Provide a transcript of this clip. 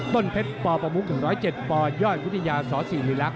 ต้นเพชรปป๑๐๗ปยอดวิทยาสตร์ศรีริลักษณ์